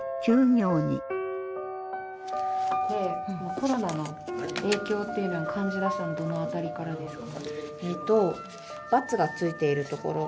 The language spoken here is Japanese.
コロナの影響っていうのを感じだしたのどの辺りからですか？